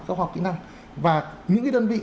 các khóa học kỹ năng và những cái đơn vị